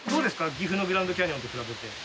岐阜のグランドキャニオンと比べて。